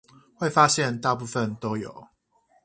會發現大部分都有